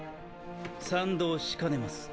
賛同しかねます。